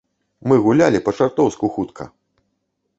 Мы гулялі па-чартоўску хутка.